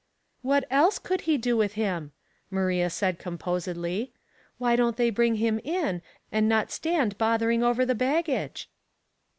" What eUe could be do with him ?" Maria said, composedly. *' Why don't they bring him in, and not stand bothering over the baggage